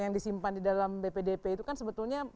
yang disimpan di dalam bpdp itu kan sebetulnya